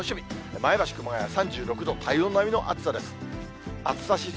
前橋、熊谷は３６度、体温並みの暑さです。